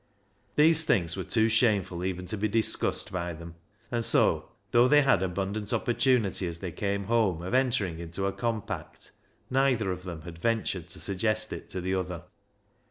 These things were too shameful even to be discussed by them, and so, though they had abundant opportunity as they came home of entering into a compact, neither of them had ventured to suggest it to the other.